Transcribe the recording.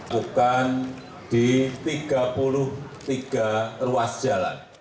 bukan di tiga puluh tiga ruas jalan